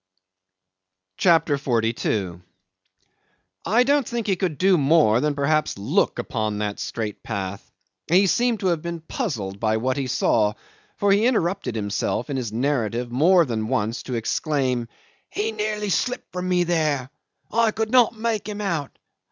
CHAPTER 42 'I don't think he could do more than perhaps look upon that straight path. He seemed to have been puzzled by what he saw, for he interrupted himself in his narrative more than once to exclaim, "He nearly slipped from me there. I could not make him out.